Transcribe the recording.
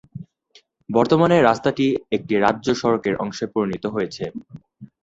বর্তমানে রাস্তাটি একটি রাজ্য সড়কের অংশে পরিনত হয়েছে।